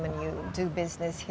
dan kamu melakukan bisnis di sini